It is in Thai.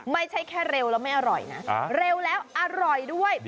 ไม่ใช่แค่เร็วแล้วไม่อร่อยนะเร็วแล้วอร่อยด้วย